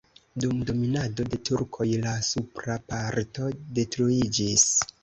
Dum dominado de turkoj la supra parto detruiĝis.